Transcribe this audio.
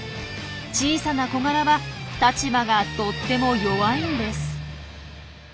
小さなコガラは立場がとっても弱いんです。